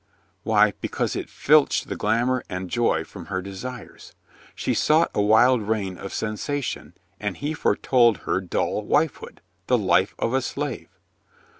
Why, because it filched the glamour and joy from her desires; she sought a wild reign of sensation, and he foretold her dull wifehood, the life of a slave.